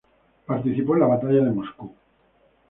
Participó en la Batalla de Moscú.